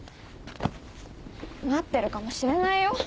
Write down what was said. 待ってるかもしれないよ？